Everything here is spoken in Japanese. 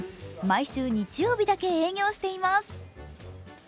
毎週日曜日だけ営業しています。